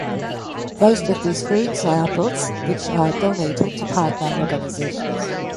Most of these fruits are apples which are donated to partner organizations.